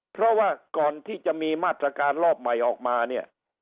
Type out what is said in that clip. เพราะว่าก่อนที่จะมีมาตรการรอบใหม่ออกมาเนี่ย